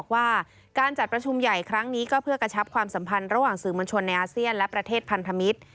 ว่าการจัดประชุมใหญ่ครั้งนี้ก็เพื่อกระชับความสัมพันธ์ระหว่างสื่อมวลชนในอาเซียนและประเทศพันธมิตร